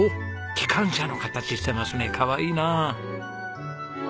機関車の形してますねかわいいな。